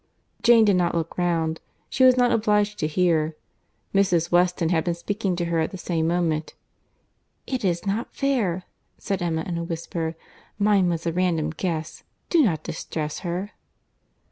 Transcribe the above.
Jane did not look round. She was not obliged to hear. Mrs. Weston had been speaking to her at the same moment. "It is not fair," said Emma, in a whisper; "mine was a random guess. Do not distress her."